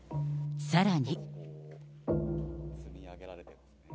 さらに。